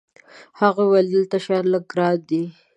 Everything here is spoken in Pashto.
هغه وویل: دلته شیان لږ ګران دي.